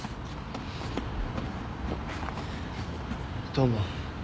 どうも。